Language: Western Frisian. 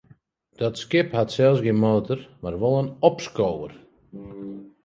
Dat skip hat sels gjin motor, mar wol in opskower.